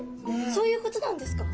そういうことなんですか？